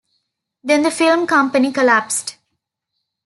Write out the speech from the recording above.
Then the film company collapsed.